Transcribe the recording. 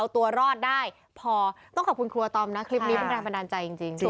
ตอบนี้เป็นแบบนั่นใจ